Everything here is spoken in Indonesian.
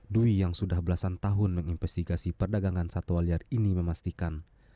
dwi yang sudah belasan tahun menginvestigasi perdagangan satwa liar ini memastikan